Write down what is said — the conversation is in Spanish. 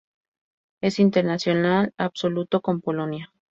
Es internacional absoluto con Polonia.